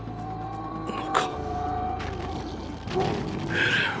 エレン。